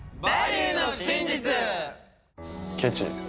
ケチ。